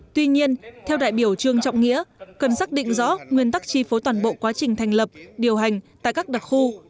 tuy nhiên theo đại biểu trương trọng nghĩa cần xác định rõ nguyên tắc chi phối toàn bộ quá trình thành lập điều hành tại các đặc khu